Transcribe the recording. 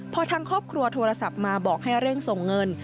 พอทางครอบครัวโทรศัพท์มาบอกให้เร่งส่งเงิน